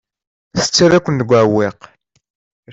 Tettarra-ken deg uɛewwiq.